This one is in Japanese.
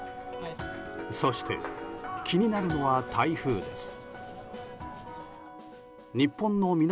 そして、気になるのは台風です。